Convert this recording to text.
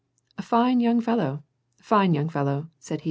" Fine young follow ! Fine young fellow," said lie.